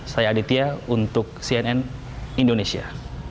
saya aditya untuk cnn indonesia